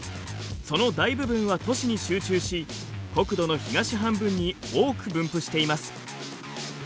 その大部分は都市に集中し国土の東半分に多く分布しています。